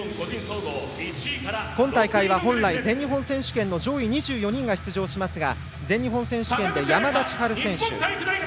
今大会は本来全日本選手権の上位２４人が出場しますが全日本選手権で山田千遥選手